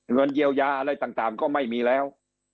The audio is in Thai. เงินเยียวยาอะไรต่างก็ไม่มีแล้ว